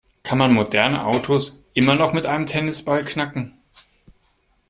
Kann man moderne Autos immer noch mit einem Tennisball knacken?